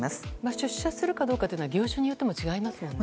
出社するかどうかは業種によっても違いますよね。